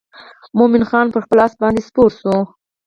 مومن خان پر خپل آس باندې سپور شو.